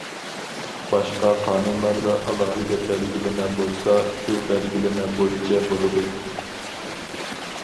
باشقا قانۇنلاردا ئالاھىدە بەلگىلىمە بولسا، شۇ بەلگىلىمە بويىچە بولىدۇ.